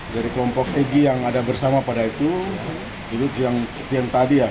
dari kelompok egy yang ada bersama pada itu itu yang tadi ya